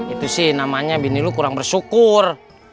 itu sih namanya bini lu kurang bersyukur